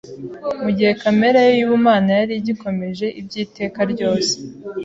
mu gihe kamere ye y’ubumana yari igikomeje iby’iteka ryose.